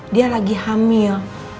dia lagi hamil